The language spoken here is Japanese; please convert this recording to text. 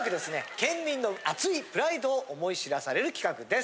県民の熱いプライドを思い知らされる企画です。